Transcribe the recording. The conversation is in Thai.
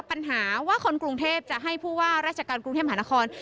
ปัญหาว่าคนกรุงเทพจะให้ผู้ว่าราชการกรุงเทพหานคร